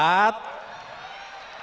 para partai partai ini